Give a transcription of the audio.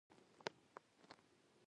د میوو جوس باید طبیعي وي.